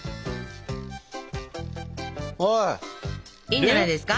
いいんじゃないですか？